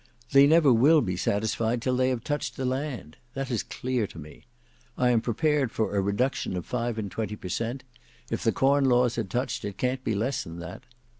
They never will be satisfied till they have touched the land. That is clear to me. I am prepared for a reduction of five and twenty per cent; if the corn laws are touched, it can't be less than that.